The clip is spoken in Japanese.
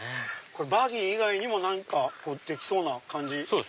バギー以外にも何かできそうな感じ。